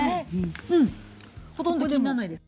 うんほとんど気にならないです。